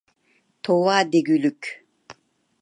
توۋا دېگۈلۈك!